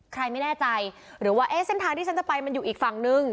ใครไม่แน่ใจหรือว่าเอ๊ะเส้นทางที่ฉันจะไปมันอยู่อีกฝั่งนึง